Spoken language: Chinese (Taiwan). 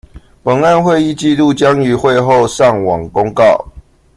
本案會議紀錄將於會後上網公告